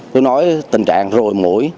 tôi nói tình trạng rùi mũi